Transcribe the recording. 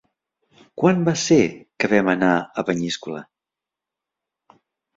Quan va ser que vam anar a Peníscola?